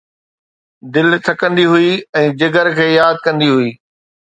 دل ٽهڪندي هئي ۽ جگر کي ياد ڪندي هئي